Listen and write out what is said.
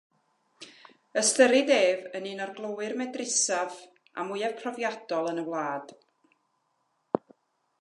Ystyried ef yn un o'r glowyr medrusaf a mwyaf profiadol yn y wlad.